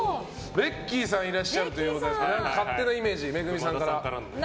ベッキーさんがいらっしゃるということで勝手なイメージをＭＥＧＵＭＩさんから。